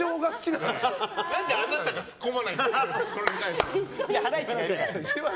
何であなたがツッコまないんですか？